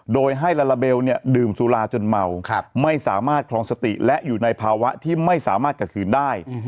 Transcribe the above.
โดยให้ลาลาเบลเนี่ยดื่มสุราจนเมาไม่สามารถคลองสติและอยู่ในภาวะที่ไม่สามารถกระคืนได้